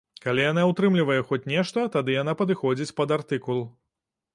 Калі яна ўтрымлівае хоць нешта, тады яна падыходзіць пад артыкул.